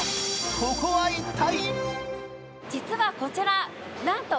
ここは一体？